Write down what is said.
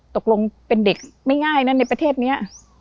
ตกลงเป็นเด็กไม่ง่ายนะในประเทศนี้